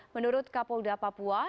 menurut kapolda papua